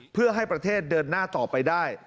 เพื่อให้ประเทศเดินหน้าต่อไปได้